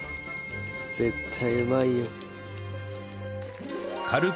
絶対うまいよ。